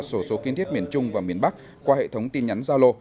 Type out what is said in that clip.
sổ số kiên thiết miền trung và miền bắc qua hệ thống tin nhắn giao lô